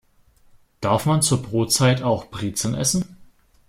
Darf man zur Brotzeit auch Brezen essen?